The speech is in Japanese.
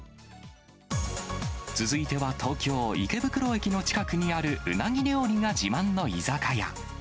続いては、東京・池袋駅の近くにあるウナギ料理が自慢の居酒屋。